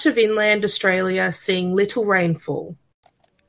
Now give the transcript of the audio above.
dengan banyak negara di dalam australia yang tidak terlalu berdampak